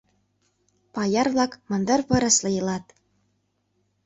Паяр-влак мындыр пырысла илат.